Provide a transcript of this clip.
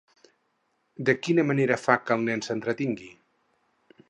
De quina manera fa que el nen s'entretingui?